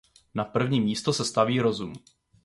Na první místo se staví rozum.